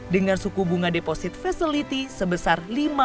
dengan suku bunga deposit facility sebesar lima dua puluh lima